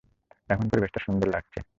এখন পরিবেশটা সুন্দর লাগছে।